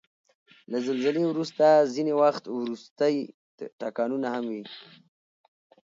له زلزلې وروسته ځینې وخت وروستی ټکانونه هم وي.